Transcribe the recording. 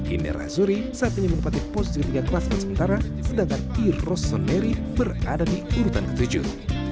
inder hazuri saat ini menempatkan posisi ketiga kelas persementara sedangkan irosoneri berada di urutan ketujuh